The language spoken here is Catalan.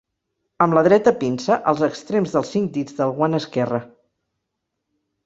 Amb la dreta pinça els extrems dels cinc dits del guant esquerre.